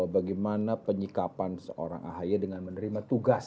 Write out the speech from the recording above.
bagaimana penyikapan seorang ahy dengan menerima tugas